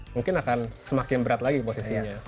mungkin akan semakin berat lagi posisinya